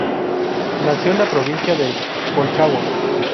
Nació en la provincia de Colchagua.